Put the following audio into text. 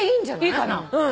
いいかな！